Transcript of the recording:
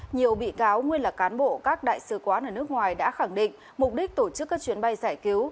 nhiều bị cáo nguyên là cán bộ các đại sứ quán ở nước ngoài đã khẳng định mục đích tổ chức các chuyến bay giải cứu